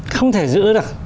không thể giữ được